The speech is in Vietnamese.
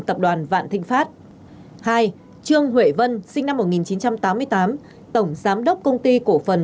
tập đoàn vạn thịnh pháp hai trương huệ vân sinh năm một nghìn chín trăm tám mươi tám tổng giám đốc công ty cổ phần